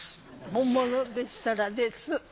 本物でしたらです。